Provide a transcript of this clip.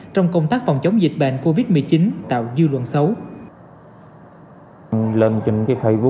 trong công tác phòng chống dịch bệnh covid một mươi chín tạo dư luận xấu